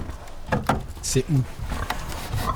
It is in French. C’est où ?